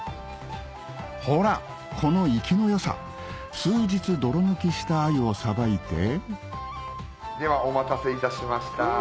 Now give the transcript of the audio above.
ほらこの活きの良さ数日泥抜きしたアユをさばいてではお待たせいたしました。